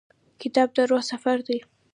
کتاب د روح سفر دی.